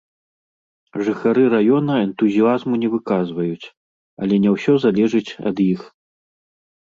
Жыхары раёна энтузіязму не выказваюць, але не ўсё залежыць ад іх.